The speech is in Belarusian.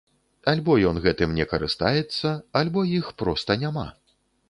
Альбо ён гэтым не карыстаецца, альбо іх проста няма.